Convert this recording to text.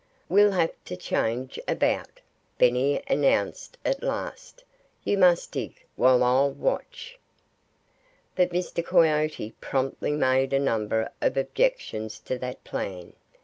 "We'll have to change about," Benny announced at last. "You must dig, while I watch." But Mr. Coyote promptly made a number of objections to that plan.